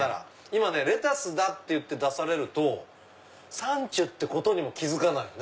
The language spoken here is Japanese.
今ねレタスだっていって出されるとサンチュってことにも気付かない。